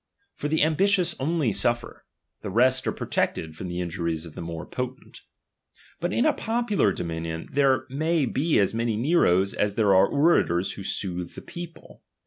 For the am t* i tious only suffer ; the rest are protected from the i^tijuries of the more potent. But in a popular *lomiuion, there may be as many Neros as there a. r e orators who soothe \h^ people.